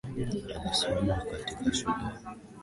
alisoma katika shule ya wavulana ya bwiru iliyoko jijini mwanza